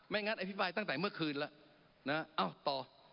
งั้นอธิบายตั้งแต่เมื่อคืนแล้วนะเอ้าต่อ